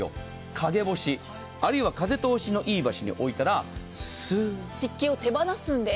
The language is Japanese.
陰干しあるいは風通しのいい場所に置いたら湿気を手放すんです。